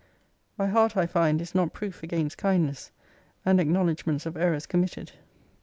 My heart, I find, is not proof against kindness, and acknowledgements of errors committed.